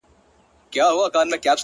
• د نر هلک ژړا په زانګو کي معلومېږي ,